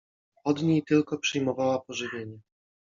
Od niej tylko przyjmowała pożywienie.